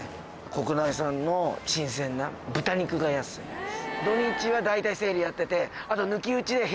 国内産の新鮮な豚肉が安いんです。